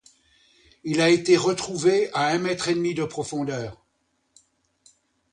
Il a été retrouvé à un mètre et demi de profondeur.